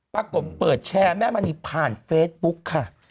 เปิดแชร์แม่มณีผ่านเฟซบุ๊กค่ะ